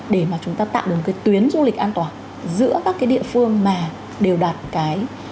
để mà chúng ta tạo được một cái tuyến du lịch an toàn giữa các cái địa phương mà đều đạt cái